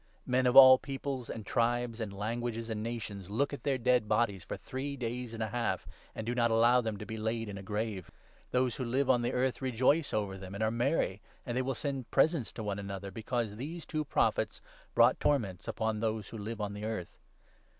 Men of all peoples, and tribes, and languages, g and nations look at their dead bodies for three days and a half, and do not allow them to be laid in a grave. Those who live 10 on the earth rejoice over them and are merry, and they will send presents to one another, because these two Prophets brought torments upon those who live on the earth.